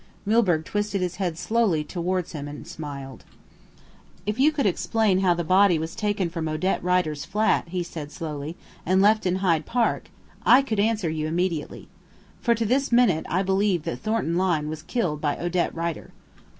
Milburgh twisted his head slowly towards him and smiled. "If you could explain how the body was taken from Odette Rider's flat," he said slowly, "and left in Hyde Park, I could answer you immediately. For to this minute, I believe that Thornton Lyne was killed by Odette Rider."